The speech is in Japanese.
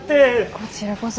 こちらこそ。